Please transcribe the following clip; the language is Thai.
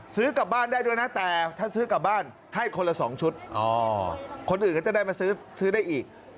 ซื้อกลับบ้านได้ด้วยนะแต่ถ้าซื้อกลับบ้านให้คนละ๒ชุดคนอื่นก็จะได้มาซื้อได้อีก